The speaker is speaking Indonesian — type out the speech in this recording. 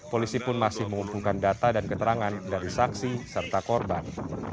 polisi pun masih mengumpulkan data dan keterangan dari saksi serta korban